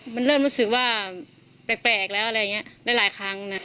มันเริ่มรู้สึกว่าแปลกแล้วอะไรอย่างนี้หลายครั้งนะ